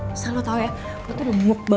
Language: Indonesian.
masalah lo tau ya gue tuh udah muk banget sama si